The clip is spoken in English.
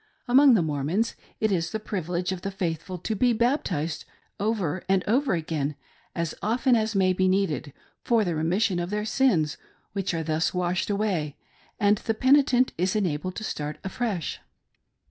Among the Mormons it is the privilege of the faithful to be baptized over and over again, as often as may be needed, for the remission of their sins, which are thus washed away, and the pe^tent is enabled to start afresh.